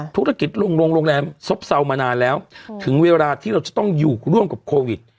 ธุรกิจลุงลงโรงแรมซบเซามานานแล้วถึงเวลาที่เราจะต้องอยู่ร่วมกับโควิด